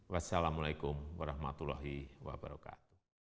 wassalamu'alaikum warahmatullahi wabarakatuh